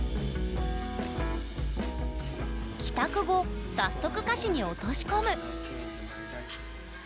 帰宅後早速歌詞に落とし込む。